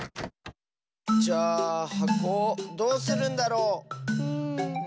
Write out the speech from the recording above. じゃあはこをどうするんだろう？ん。